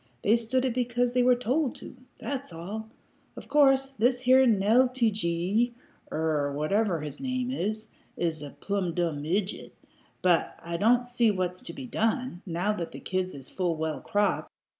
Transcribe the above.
They stood it because they were told to. That's all. Of course this here Neel te gee, er whatever his name is, is a plumb dumb ijit, but I don't see what's to be done, now that the kids is full well cropped.